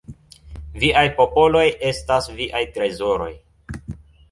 Viaj popoloj estas viaj trezoroj.